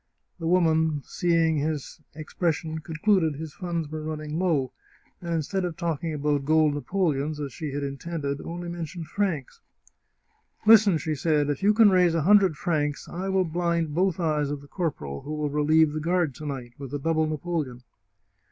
The woman, seeing his ex pression, concluded his funds were running low, and, in stead of talking about gold napoleons, as she had intended, only mentioned francs. " Listen 1 " she said. " If you can raise a hundred francs, I will blind both eyes of the corporal who will relieve the guard to night, with a double napoleon.